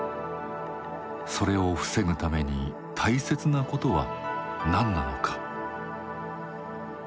それを防ぐために大切なことは何なのか。